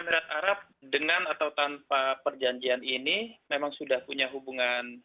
emirat arab dengan atau tanpa perjanjian ini memang sudah punya hubungan